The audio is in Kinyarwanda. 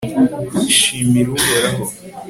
shimira uhoraho